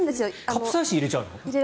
カプサイシンを入れちゃうの？